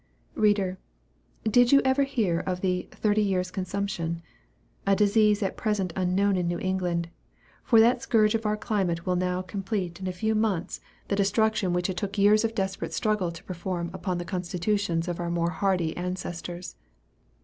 Reader, did you ever hear of the "thirty years' consumption?" a disease at present unknown in New England for that scourge of our climate will now complete in a few months the destruction which it took years of desperate struggle to perform upon the constitutions of our more hardy ancestors.